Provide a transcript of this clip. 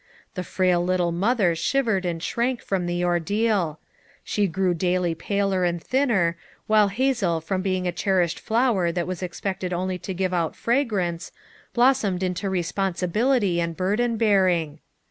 The frail little mother shivered and shrank from the ordeal; she grew daily paler and thinner, while Hazel from being a cherished flower that was ex pected only to give out fragrance, blossomed into responsibility and burden bearing.